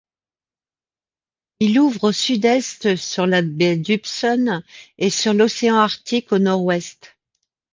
Il ouvre au sud-est sur la baie d'Hudson et sur l'océan Arctique au nord-ouest.